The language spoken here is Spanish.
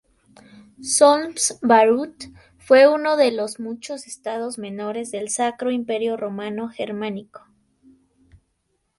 Solms-Baruth fue uno de los muchos Estados menores del Sacro Imperio Romano Germánico.